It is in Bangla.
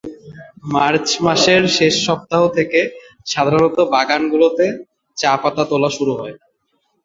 মার্চ মাসের শেষ সপ্তাহ থেকে সাধারণত বাগানগুলোতে চা-পাতা তোলা শুরু হয়।